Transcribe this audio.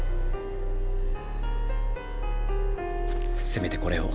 せめてこれを。